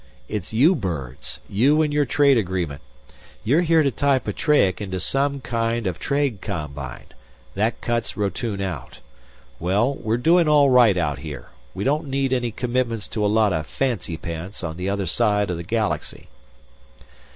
"It's you birds. You and your trade agreement. You're here to tie Petreac into some kind of trade combine. That cuts Rotune out. Well, we're doing all right out here. We don't need any commitments to a lot of fancy pants on the other side of the Galaxy."